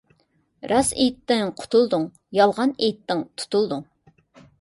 راست ئېيتتىڭ قۇتۇلدۇڭ، يالغان ئېيتتىڭ تۇتۇلدۇڭ.